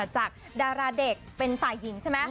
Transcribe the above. จากดาราเด็กเป็นฝ่ายหญิงใช่ไหม